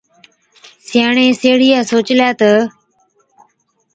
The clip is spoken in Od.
سِياڻي سيهڙِيئَي سوچلَي تہ،